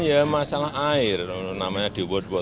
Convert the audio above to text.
bapak ada recetan bertemu dengan bomega juga pak